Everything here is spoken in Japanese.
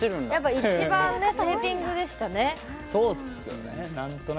一番テーピングでしたね。